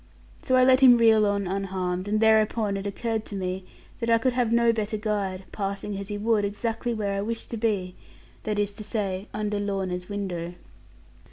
So I let him reel on unharmed; and thereupon it occurred to me that I could have no better guide, passing as he would exactly where I wished to be; that is to say under Lorna's window.